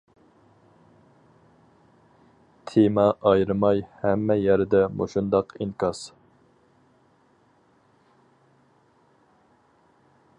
تېما ئايرىماي ھەممە يەردە مۇشۇنداق ئىنكاس.